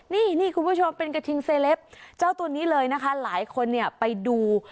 นี่นี่คุณผู้ชมเป็นกระทิงเซลปเจ้าตัวนี้เลยนะคะหลายคนเนี่ยไปดู